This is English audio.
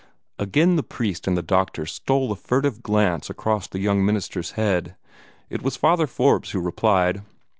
Again the priest and the doctor stole a furtive glance across the young minister's head. It was Father Forbes who replied.